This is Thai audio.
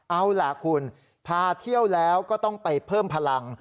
เอาล่ะคุณพาเที่ยวแล้วก็ต้องไปเพิ่มพลัง